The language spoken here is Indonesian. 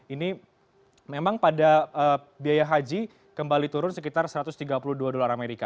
ini memang pada biaya haji kembali turun sekitar satu ratus tiga puluh dua dolar amerika